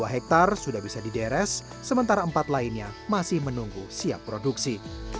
dua hektare sudah bisa dideres sementara empat lainnya masih menunggu siap produksi